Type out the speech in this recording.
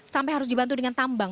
sampai harus dibantu dengan tambang